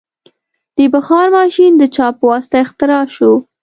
د بخار ماشین د چا په واسطه اختراع شو؟